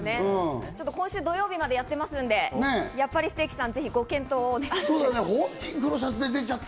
今週土曜日までやってますんで、やっぱりステーキさん、ぜひご検討を。